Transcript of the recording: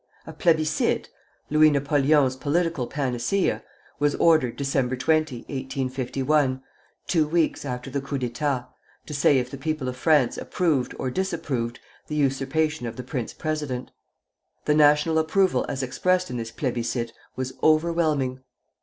A plébiscite Louis Napoleon's political panacea was ordered Dec. 20, 1851, two weeks after the coup d'état, to say if the people of France approved or disapproved the usurpation of the prince president. The national approval as expressed in this plébiscite was overwhelming.